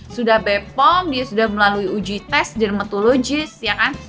sudah bepom dia sudah melalui uji tes drmatologis ya kan